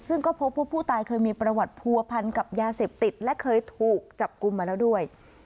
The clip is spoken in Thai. ซึ่งก็พบว่าผู้ตายเคยมีประวัติผัวพันกับยาเสพติดและเคยถูกจับกลุ่มมาแล้วด้วย